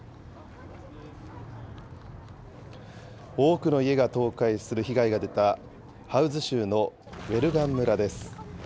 多くの家が倒壊する被害が出たハウズ州のウェルガン村です。